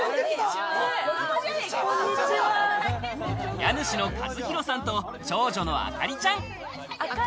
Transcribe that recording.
家主の一祐さんと、長女のあかりちゃん。